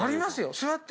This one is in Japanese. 座って！